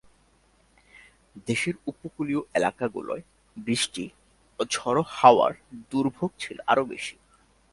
দেশের উপকূলীয় এলাকাগুলোয় বৃষ্টি ও ঝোড়ো হাওয়ার দুর্ভোগ ছিল আরও বেশি।